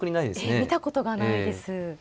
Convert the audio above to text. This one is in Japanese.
ええ見たことがないです。